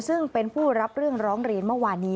ซึ่งเป็นผู้รับเรื่องร้องเรียนเมื่อวานนี้